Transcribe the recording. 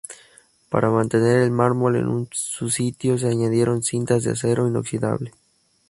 Para mantener el mármol en su sitio, se añadieron cintas de acero inoxidable.